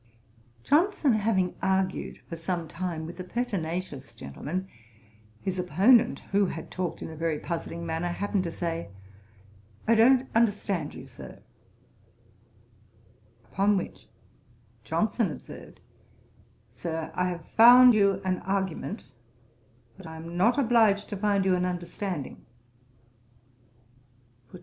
Johnson having argued for some time with a pertinacious gentleman; his opponent, who had talked in a very puzzling manner, happened to say, 'I don't understand you, Sir:' upon which Johnson observed, 'Sir, I have found you an argument; but I am not obliged to find you an understanding.'